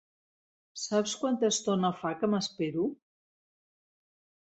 Saps quanta estona fa que m'espero?